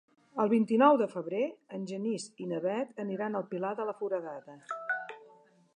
El vint-i-nou de febrer en Genís i na Bet aniran al Pilar de la Foradada.